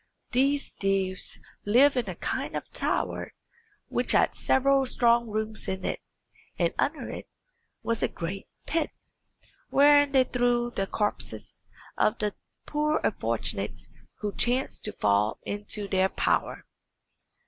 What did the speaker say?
These thieves lived in a kind of tower, which had several strong rooms in it, and under it was a great pit, wherein they threw the corpses of the poor unfortunates who chanced to fall into their power.